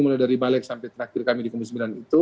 mulai dari balik sampai terakhir kami di komisi sembilan itu